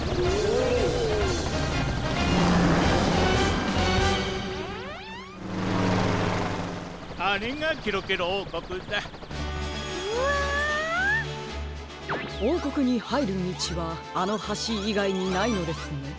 おうこくにはいるみちはあのはしいがいにないのですね？